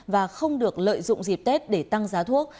và không được lợi dụng dịp tết để tăng giá thuốc